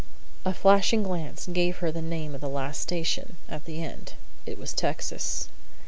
A flashing glance gave her the name of the last station, at the end. It was in Texas.